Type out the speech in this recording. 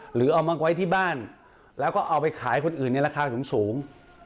หรือเอามาไว้ที่บ้านแล้วก็เอาไปขายคนอื่นในราคาสูง